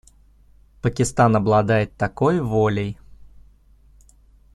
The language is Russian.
Пакистан обладает такой волей.